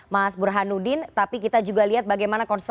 direktur eksekutif politik indonesia